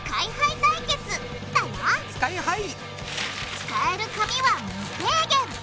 使える紙は無制限！